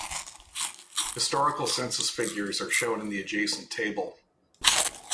Historical census figures are shown in the adjacent table.